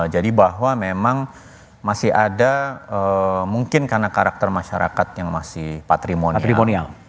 jadi bahwa memang masih ada mungkin karena karakter masyarakat yang masih patrimonial